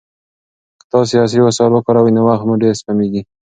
که تاسي عصري وسایل وکاروئ نو وخت مو ډېر سپمېږي.